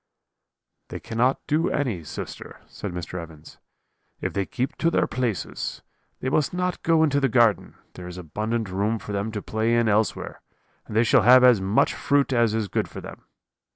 "'They cannot do any, sister,' said Mr. Evans, 'if they keep to their places. They must not go into the garden, there is abundant room for them to play in elsewhere, and they shall have as much fruit as is good for them.